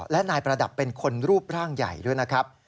และนายประดับเป็นคนรูปร่างใหญ่ด้วยนะครับ